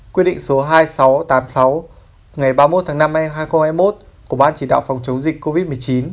quyết định số hai nghìn sáu trăm tám mươi sáu ngày ba mươi một tháng năm hai nghìn hai mươi một của ban chỉ đạo phòng chống dịch covid một mươi chín